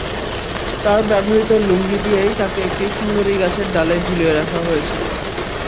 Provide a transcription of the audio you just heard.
তাঁর ব্যবহৃত লুঙ্গি দিয়েই তাঁকে একটি সুন্দরী গাছের ডালে ঝুলিয়ে রাখা হয়েছিল।